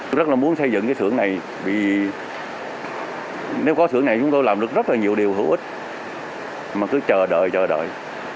chúng tôi muốn xây dựng cái xưởng này nếu có xưởng này chúng tôi làm được rất là nhiều điều hữu ích mà cứ chờ đợi chờ đợi